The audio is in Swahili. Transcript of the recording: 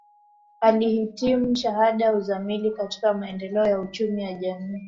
Alihitimu shahada ya uzamili katika maendeleo ya uchumi ya jamii